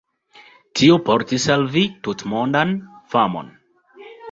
Tio portis al vi tutmondan famon.